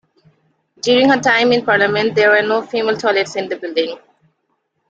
During her time in Parliament there were no female toilets in the building.